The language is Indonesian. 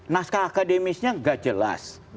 naskah akademisnya gak jelas